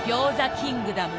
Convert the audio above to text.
キングダム